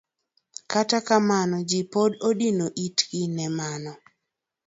Kata kamano ji pod odino itgi ne mano.